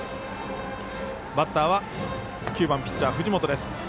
バッターは９番ピッチャー藤本です。